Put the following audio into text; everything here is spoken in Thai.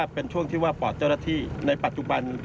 เป็นช่วงที่ว่าปอดเจ้าหน้าที่ในปัจจุบัน